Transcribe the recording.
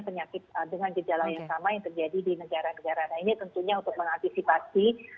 penyakit dengan gejala yang sama yang terjadi di negara negara ini tentunya untuk mengantisipasi